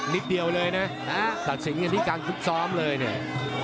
นิดเดียวเลยนะตัดสินกันที่การฟุตซ้อมเลยเนี่ย